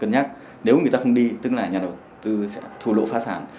cần nhắc nếu người ta không đi tức là nhà đầu tư sẽ thu lỗ phá sản